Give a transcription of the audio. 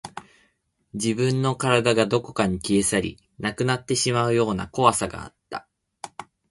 自分の体がどこかに消え去り、なくなってしまうような怖さがあった